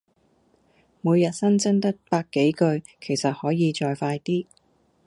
每日新增得百幾句，其實可以再快啲